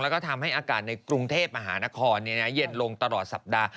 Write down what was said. แล้วก็ทำให้อากาศในกรุงเทพมหานครเย็นลงตลอดสัปดาห์